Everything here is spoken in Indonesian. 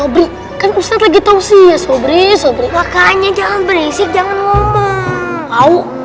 obrik kan ustadz lagi tau sih ya sobri sobri makanya jangan berisik jangan lupa